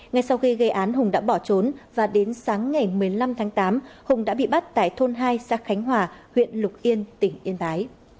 ngay sau khi gây án hùng đã bỏ trốn và đến sáng ngày một mươi năm tháng tám hùng đã bị bắt tại thôn hai xã khánh hòa huyện lục yên tỉnh yên bái